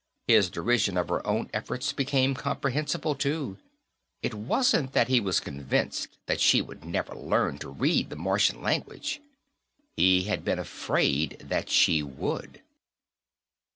His derision of her own efforts became comprehensible, too. It wasn't that he was convinced that she would never learn to read the Martian language. He had been afraid that she would.